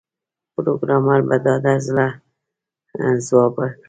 پروګرامر په ډاډه زړه ځواب ورکړ